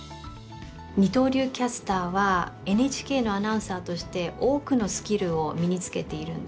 二刀流キャスターはＮＨＫのアナウンサーとして多くのスキルを身につけているんですね。